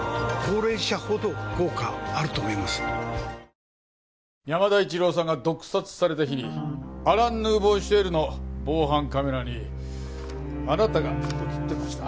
わぁ山田一郎さんが毒殺された日にアラン・ヌーボー・シエルの防犯カメラにあなたが映ってました。